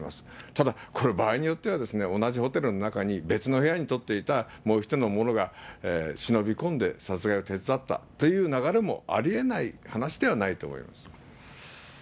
ただ、これ、場合によっては同じホテルの中に、別の部屋に取っていたもう一人の者が忍び込んで殺害を手伝ったという流れもありえない話ではないと思います。